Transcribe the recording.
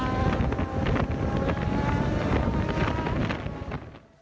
มันทำไมรถตามให้หน่อย